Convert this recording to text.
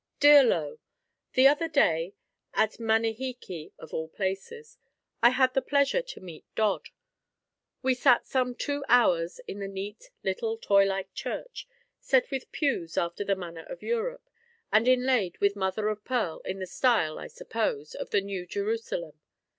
DEAR LOW: The other day (at Manihiki of all places) I had the pleasure to meet Dodd. We sat some two hours in the neat, little, toy like church, set with pews after the manner of Europe, and inlaid with mother of pearl in the style (I suppose) of the New Jerusalem.